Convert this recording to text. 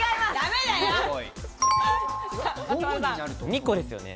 ２個ですよね？